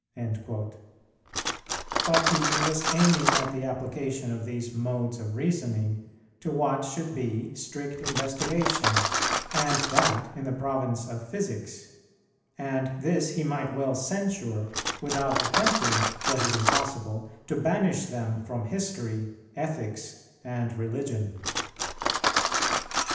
"[110:1] But he was aiming at the application of these modes of reasoning to what should be strict investigation, and that in the province of physics; and this he might well censure, without attempting, (what is impossible,) to banish them from history, ethics, and religion.